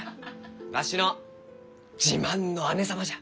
わしの自慢の姉様じゃ。